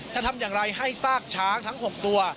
ทำอย่างไรให้ซากช้างทั้ง๖ตัว